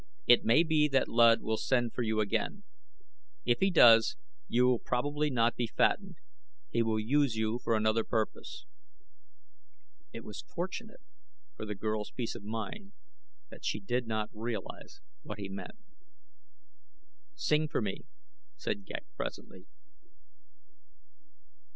It may be that Luud will send for you again. If he does you will probably not be fattened he will use you for another purpose." It was fortunate for the girl's peace of mind that she did not realize what he meant. "Sing for me," said Ghek, presently.